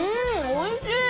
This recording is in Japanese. おいしい！